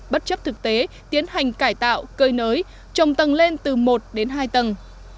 bất chấp thực tế tiến hành cải tạo cơi nới trồng tầng lên từ một đến hai tầng